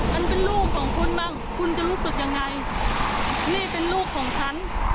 มันเป็นลูกของคุณบ้างคุณจะรู้สึกยังไงนี่เป็นลูกของฉัน